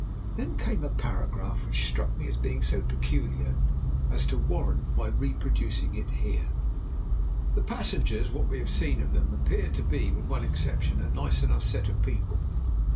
Then came a paragraph which struck me as being so peculiar as to warrant my reproducing it here: "The passengers, what we have seen of them, appear to be, with one exception, a nice enough set of people.